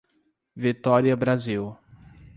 Vitória Brasil